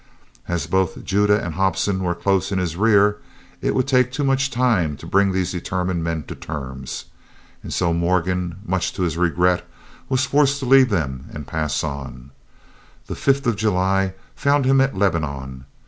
As both Judah and Hobson were close in his rear, it would take too much time to bring these determined men to terms, and so Morgan, much to his regret, was forced to leave them, and pass on. The 5th of July found him at Lebanon.